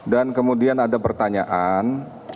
dan kemudian ada pertanyaan